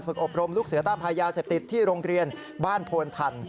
อบรมลูกเสือต้านพายาเสพติดที่โรงเรียนบ้านโพนทัน